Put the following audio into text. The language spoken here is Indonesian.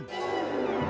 dari dulu saja